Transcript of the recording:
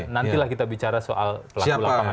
nantilah kita bicara soal pelaku lapangan